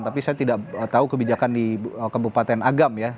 tapi saya tidak tahu kebijakan di kabupaten agam ya